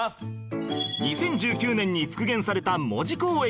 ２０１９年に復元された門司港駅